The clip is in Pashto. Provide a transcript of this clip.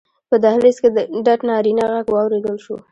په دهلېز کې ډډ نارينه غږ واورېدل شو: